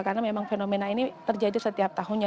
karena memang fenomena ini terjadi setiap tahunnya